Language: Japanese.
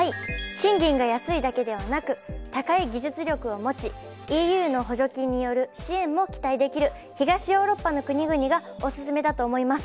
賃金が安いだけではなく高い技術力を持ちＥＵの補助金による支援も期待できる東ヨーロッパの国々がおすすめだと思います。